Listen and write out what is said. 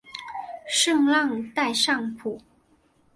圣让代尚普。